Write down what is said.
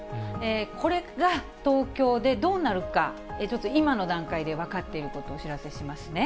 これが東京でどうなるか、ちょっと今の段階で分かっていることをお知らせしますね。